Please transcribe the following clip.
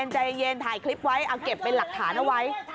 ใจเย็นถ่ายคลิปไว้เอาเก็บเป็นหลักฐานเอาไว้